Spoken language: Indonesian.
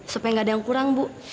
supaya nggak ada yang kurang bu